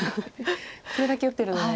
これだけ打ってるのに。